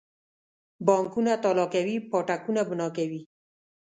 بانکونه تالا کوي پاټکونه بنا کوي.